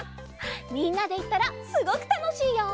みんなでいったらすごくたのしいよ！